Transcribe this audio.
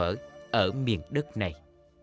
ở miền đất này